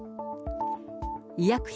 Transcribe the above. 医薬品